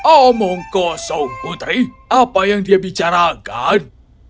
omong kosong putri apa yang dia bicarakan